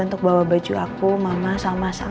untuk bawa baju aku mama sama